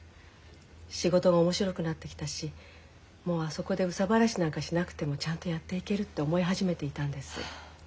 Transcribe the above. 仕事が面白くなってきたしもうあそこで憂さ晴らしなんかしなくてもちゃんとやっていけるって思い始めていたんです。